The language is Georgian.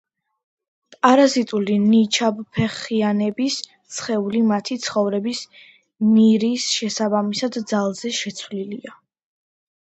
პარაზიტული ნიჩაბფეხიანების სხეული, მათი ცხოვრების ნირის შესაბამისად, ძალზე შეცვლილია.